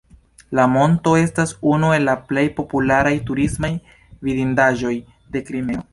La monto estas unu el la plej popularaj turismaj vidindaĵoj de Krimeo.